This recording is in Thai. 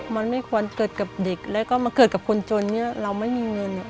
มันไม่ควรเกิดกับเด็กแล้วก็มาเกิดกับคนจนเนี่ยเราไม่มีเงิน